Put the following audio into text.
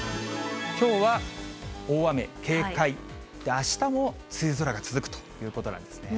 きょうは大雨警戒、あしたも梅雨空が続くということなんですね。